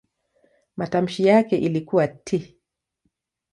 Matamshi yake ilikuwa "t".